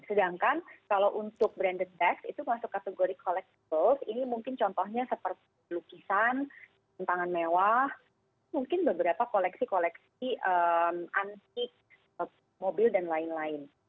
sedangkan kalau untuk branded dex itu masuk kategori collective ini mungkin contohnya seperti lukisan tentangan mewah mungkin beberapa koleksi koleksi antik mobil dan lain lain